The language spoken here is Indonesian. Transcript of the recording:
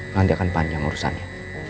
kan dia akan panjang urusannya